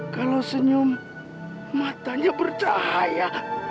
kalau senyum matanya bercahaya